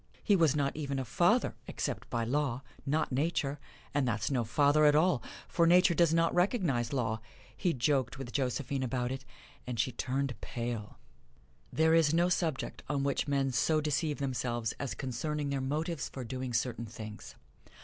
He was not even a father, except by law not Nature and that's no father at all, for Nature does not recognize law. He joked with Josephine about it, and she turned pale. There is no subject on which men so deceive themselves as concerning their motives for doing certain things.